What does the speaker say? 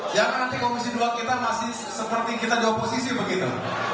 jangan nanti komisi dua kita masih seperti kita di oposisi begitu